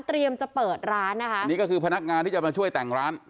จะเปิดร้านนะคะอันนี้ก็คือพนักงานที่จะมาช่วยแต่งร้าน